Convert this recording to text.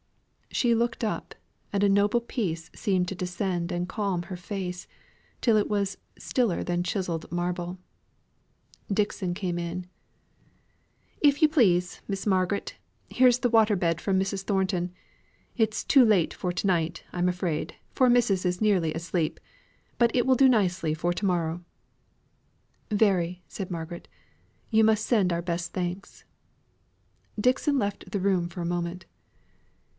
She looked up, and a noble peace seemed to descend and calm her face, till it was "stiller than chiselled marble." Dixon came in: "If you please, Miss Margaret, here's the water bed from Mrs. Thornton's. It's too late for to night, I'm afraid, for missus is nearly asleep: but it will do nicely for to morrow." "Very," said Margaret. "You must send our best thanks." Dixon left the room for a moment.